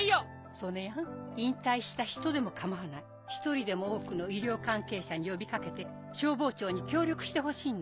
曽根やん引退した人でも構わない１人でも多くの医療関係者に呼び掛けて消防庁に協力してほしいんだ。